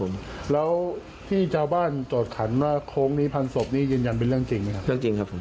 อืมแล้วที่เจ้าบ้านโดดขันว่าโค้งนี้พันธุ์ศพนี่ยืนยันเป็นเรื่องจริงไหมครับ